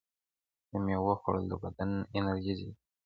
د مېوو خوړل د بدن انرژي زیاتوي.